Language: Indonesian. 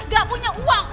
gak punya uang